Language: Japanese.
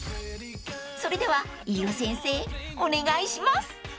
［それでは飯尾先生お願いします］